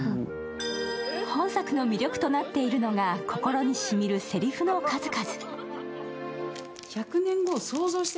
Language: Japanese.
本作の魅力となっているのが、心にしみるせりふの数々。